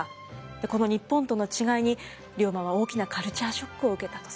この日本との違いに龍馬は大きなカルチャーショックを受けたとされてます。